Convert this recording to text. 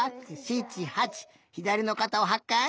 ひだりのかたを８かい！